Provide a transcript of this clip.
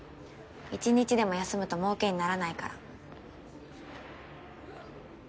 １日でも休むと儲けにならないから。